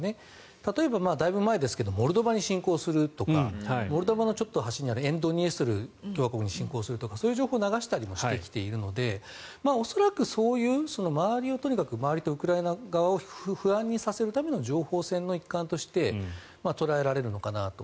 例えば、だいぶ前ですがモルドバに侵攻するとかモルドバのちょっと端にある沿ドニエストルに侵攻するとかそういう情報も流してきているので恐らく、そういう周りとウクライナ側を不安にさせるための情報戦の一環として捉えられるのかなと。